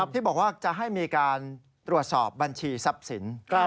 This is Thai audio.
ที่บอกว่าจะให้มีการตรวจสอบบัญชีทรัพย์สิน